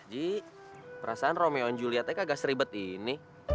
ji perasaan romeo dan julietnya kagak seribet ini